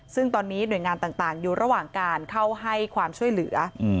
ซึ่งตอนนี้หน่วยงานต่างอยู่ระหว่างการเข้าให้ความช่วยเหลือ